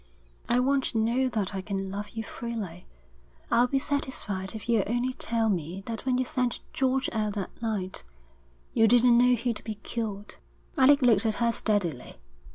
I want to know that I can love you freely. I'll be satisfied if you'll only tell me that when you sent George out that night, you didn't know he'd be killed.' Alec looked at her steadily.